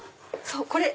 そうこれ！